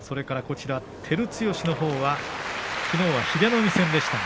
照強のほうはきのうは英乃海戦でしたね。